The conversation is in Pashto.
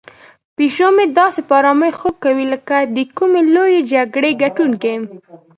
پیشو مې داسې په آرامۍ خوب کوي لکه د کومې لویې جګړې ګټونکی.